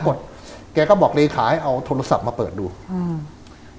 ดแกก็บอกเลขาให้เอาโทรศัพท์มาเปิดดูอืม